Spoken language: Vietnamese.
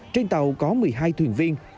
trên tàu có một mươi hai thuyền viên